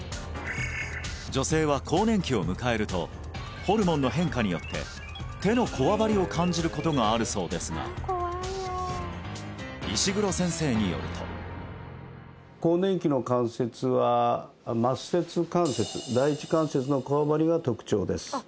女性は更年期を迎えるとホルモンの変化によって手のこわばりを感じることがあるそうですが石黒先生によると更年期の関節は末節関節第１関節のこわばりが特徴です